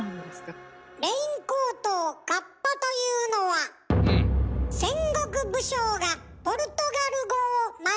レインコートを「かっぱ」というのは戦国武将がポルトガル語をマネしたから。